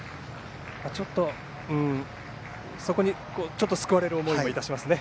ちょっとそこに救われる思いもいたしますね。